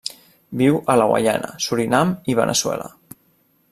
Viu a la Guaiana, Surinam i Veneçuela.